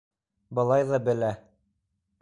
Былай ҙа белә.